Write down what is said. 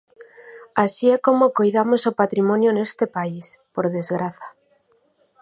Así é como coidamos o patrimonio neste país, por desgraza.